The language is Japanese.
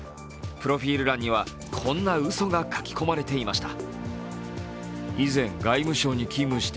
プロフィール欄にはこんなうそが書き込まれていました。